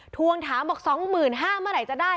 ท่วงถามว่า๒๕๐๐๐มาไหนจะได้